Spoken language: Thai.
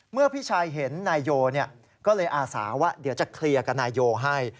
พี่ชายเห็นนายโยก็เลยอาสาว่าเดี๋ยวจะเคลียร์กับนายโยให้